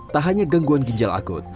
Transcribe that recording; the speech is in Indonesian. tak hanya gangguan ginjal akut